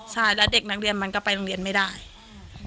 ใช่แล้วเด็กนักเรียนมันก็ไปโรงเรียนไม่ได้อืม